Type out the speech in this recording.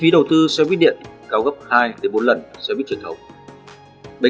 đi cảm thấy vui vẻ